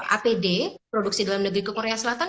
apd produksi dalam negeri ke korea selatan